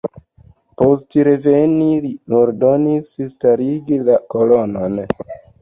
Post reveni li ordonis starigi la kolonon.